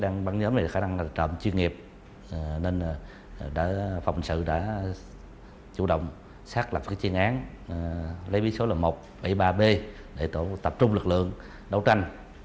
nên phòng sự đã chủ động xác lập chiến án lấy bí số một bảy mươi ba b để tổ tập trung lực lượng đấu tranh